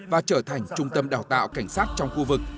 và trở thành trung tâm đào tạo cảnh sát trong khu vực